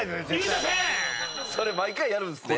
それ毎回やるんですね。